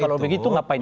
kalau begitu ngapain